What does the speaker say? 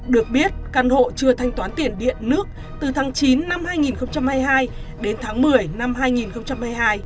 được biết căn hộ chưa thanh toán tiền điện nước từ tháng chín năm hai nghìn hai mươi hai đến tháng một mươi năm hai nghìn hai mươi hai